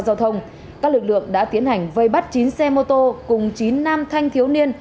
giao thông các lực lượng đã tiến hành vây bắt chín xe mô tô cùng chín nam thanh thiếu niên